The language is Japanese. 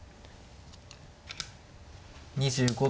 ２５秒。